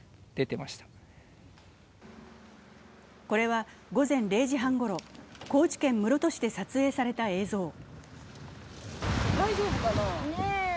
これは午前０時半ごろ、高知県室戸市で撮影された映像。